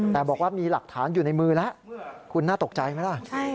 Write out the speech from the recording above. แต่บอกว่ามีหลักฐานอยู่ในมือแล้วคุณน่าตกใจไหมล่ะ